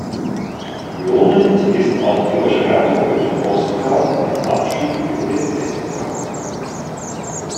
Lohnend ist auch die Überschreitung über den Ostgrat, mit Abstieg über den Westgrat.